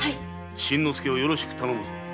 伸之介をよろしく頼むぞ。